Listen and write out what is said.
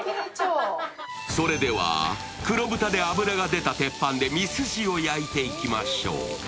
それでは黒豚で脂が出た鉄板でミスジを焼いていきましょう。